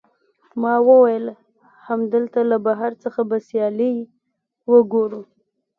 ما وویل، همدلته له بهر څخه به سیالۍ وګورو.